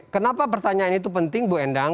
kenapa pertanyaan itu penting bu endang